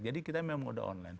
jadi kita memang sudah online